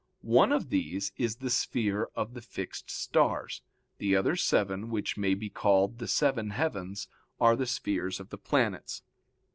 One of these is the sphere of the fixed stars; the other seven, which may be called the seven heavens, are the spheres of the planets.